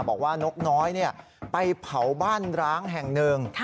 บอกว่านกน้อยไปเผาบ้านร้างแห่งหนึ่ง